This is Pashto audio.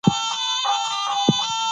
غلام وایي چې زه له الله شرمیږم.